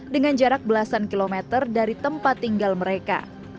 dengan jarak belasan kilometer dari tempat tinggal mereka